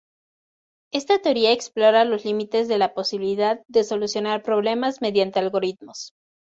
Esta teoría explora los límites de la posibilidad de solucionar problemas mediante algoritmos.